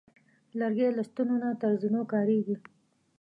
لرګی له ستنو نه تر زینو کارېږي.